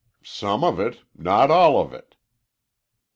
"Some of it. Not all of it."